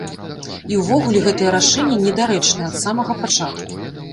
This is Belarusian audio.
І ўвогуле гэтае рашэнне недарэчнае ад самага пачатку.